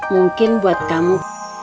mungkin buat kamu